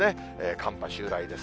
寒波襲来です。